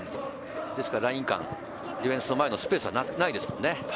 ライン間、ディフェンスの前のスペースはないですもんね。